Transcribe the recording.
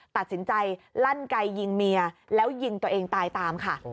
ตัดสินใจลั่นไกยิงเมียแล้วยิงตัวเองตายตามค่ะ